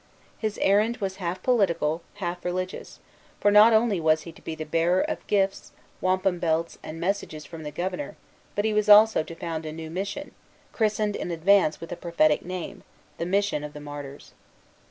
His errand was half political, half religious; for not only was he to be the bearer of gifts, wampum belts, and messages from the Governor, but he was also to found a new mission, christened in advance with a prophetic name, the Mission of the Martyrs.